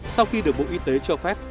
sau khi được vụ y tế cho phép